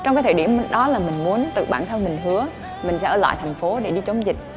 trong cái thời điểm đó là mình muốn tự bản thân mình hứa mình sẽ ở lại thành phố để đi chống dịch